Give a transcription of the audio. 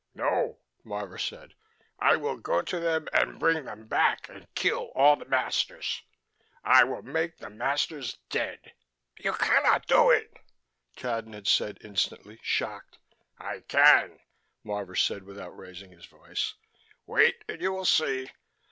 "No," Marvor said. "I will go to them and bring them back and kill all the masters. I will make the masters dead." "You cannot do it," Cadnan said instantly, shocked. "I can," Marvor said without raising his voice. "Wait and you will see.